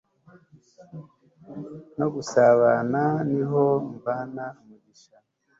no gusabana niho mvana umugisha